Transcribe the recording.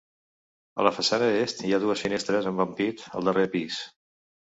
A la façana est hi ha dues finestres amb ampit al darrer pis.